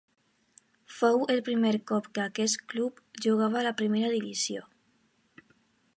Fou el primer cop que aquest club jugava a la primera divisió.